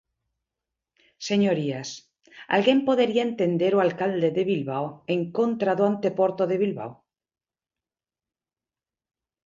Señorías, ¿alguén podería entender ao alcalde de Bilbao en contra do anteporto de Bilbao?